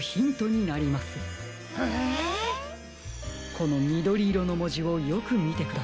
このみどりいろのもじをよくみてください。